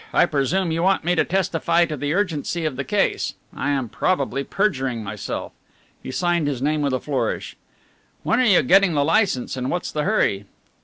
I presume you want me to testify to the urgency of the case. I am probably perjuring myself." He signed his name with a flourish. "When are you getting the licence and what's the hurry?"